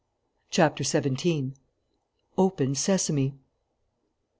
CHAPTER SEVENTEEN OPEN SESAME!